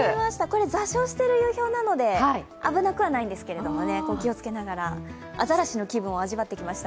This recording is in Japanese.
座礁している流氷なので危なくはないんですけど、気をつけながら、アザラシの気分を味わってきました。